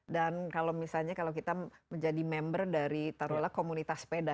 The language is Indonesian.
dan kalau misalnya kita menjadi member dari taruh lah komunitas peda